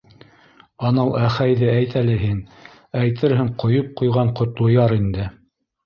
- Анау Әхәйҙе әйт әле һин, әйтерһең, ҡойоп ҡойған Ҡотлояр инде.